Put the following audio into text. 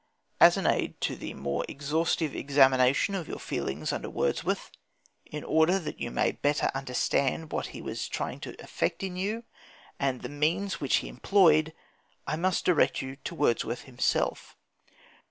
As an aid to the more exhaustive examination of your feelings under Wordsworth, in order that you may better understand what he was trying to effect in you, and the means which he employed, I must direct you to Wordsworth himself.